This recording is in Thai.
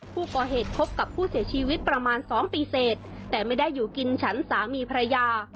ผู้ก่อเหตุคบกับผู้เสียชีวิตประมาณ๒ปีเสร็จแต่ไม่ได้อยู่กินฉันสามีภรรยา